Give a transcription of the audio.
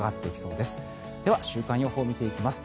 では、週間予報を見ていきます。